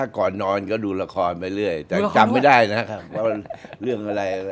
ก่อนนอนก็ดูละครไปเรื่อยแต่จำไม่ได้นะครับว่าเรื่องอะไร